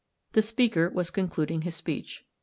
The speaker was concluding his speech.